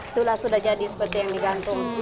itulah sudah jadi seperti yang digantung